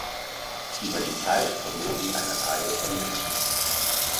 Über die Zeit verlor sie eine Reihe von Matches.